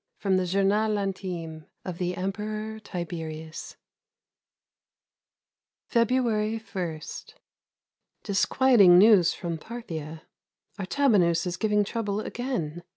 XI FROM THE "JOURNAL INTIME" OF THE EMPEROR TIBERIUS February 1. Disquieting news from Parthia. Artabanus is giving trouble again.